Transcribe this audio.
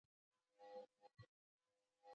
دوی په خبرو کې مهارت لري.